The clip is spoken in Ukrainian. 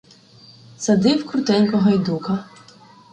Садив крутенько гайдука.